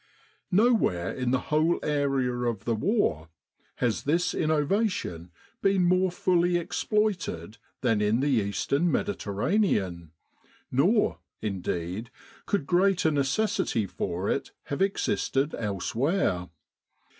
Nowhere in the whole area of the War has this innovation been more fully exploited than in the Eastern Mediterranean, nor, indeed, could greater necessity for it have existed elsewhere.